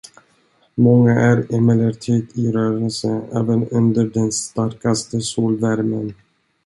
Många är emellertid i rörelse även under den starkaste solvärmen.